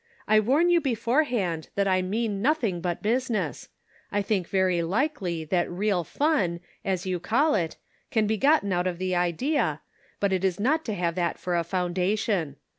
I warn you beforehand that I mean nothing but business. I think very likely that real " fun," as you call it, can be gotten out of the idea Measuring Character. 259 but it is not to have that for a foundation.